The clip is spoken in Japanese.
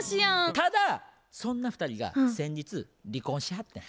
ただそんな２人が先日離婚しはったんや。